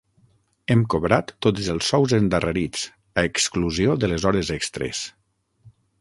Hem cobrat tots els sous endarrerits, a exclusió de les hores extres.